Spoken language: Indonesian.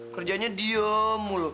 kerjanya diem mulu